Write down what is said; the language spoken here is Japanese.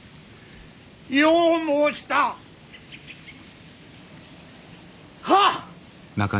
よう申した！はっ！